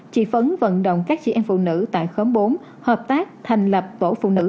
chị phấn vận động các chị em phụ nữ tại khóm bốn hợp tác thành lập tổ phụ nữ